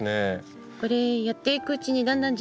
これやっていくうちにだんだん自分の傾向